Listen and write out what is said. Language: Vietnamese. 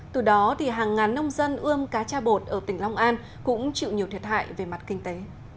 từ đó hàng ngàn nông dân ươm cá cha bột ở tỉnh long an cũng chịu nhiều thiệt hại về mặt kinh tế